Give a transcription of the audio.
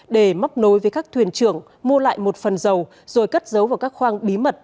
để móc nối với các thuyền trưởng mua lại một phần dầu rồi cất dấu vào các khoang bí mật